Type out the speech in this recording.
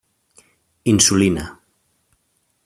Insulina.